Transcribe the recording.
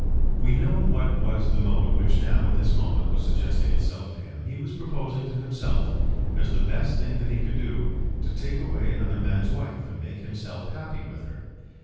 We know what was the mode which now, at this moment, was suggesting itself to him. He was proposing to himself, as the best thing that he could do, to take away another man's wife and make himself happy with her!